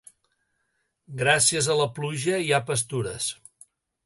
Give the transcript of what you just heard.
Gràcies a la pluja hi ha pastures.